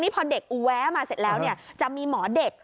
พอเด็กอูแวะมาเสร็จแล้วจะมีหมอเด็ก